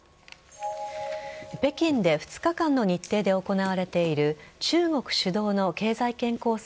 北京で２日間の日程で行われている中国主導の経済圏構想